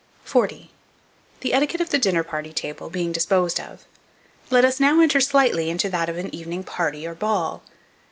40. THE ETIQUETTE OF THE DINNER PARTY TABLE being disposed of, let us now enter slightly into that of an evening party or ball.